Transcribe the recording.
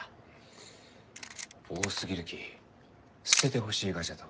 多すぎるき捨ててほしいがじゃと。